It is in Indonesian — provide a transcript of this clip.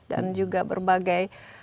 dan juga berbagai